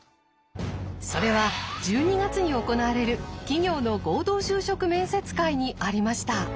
それは１２月に行われる企業の合同就職面接会にありました。